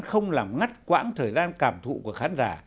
không làm ngắt quãng thời gian cảm thụ của khán giả